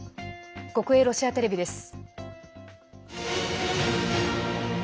国営ロシアテレビです。